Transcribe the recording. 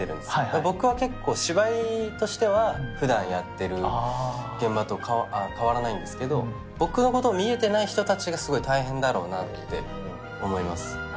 僕は結構芝居としてはふだんやってる現場と変わらないんですけど僕のことを見えてない人達がすごい大変だろうなって思います